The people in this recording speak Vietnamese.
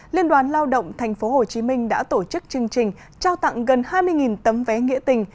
liên đoàn lao động tp hcm đã tổ chức chương trình trao tặng gần hai mươi tấm vé nghĩa tình